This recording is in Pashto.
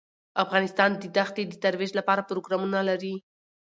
افغانستان د دښتې د ترویج لپاره پروګرامونه لري.